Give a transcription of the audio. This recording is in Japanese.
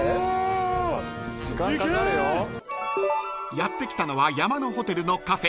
［やって来たのは山のホテルのカフェ］